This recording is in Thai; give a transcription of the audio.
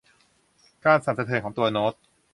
การสั่นสะเทือนของตัวโน้ต